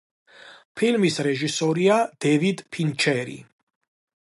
ფილმის რეჟისორია დევიდ ფინჩერი.